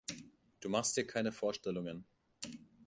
Du machst dir keine Vorstellungen.